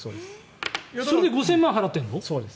それで５０００万円払ってるの？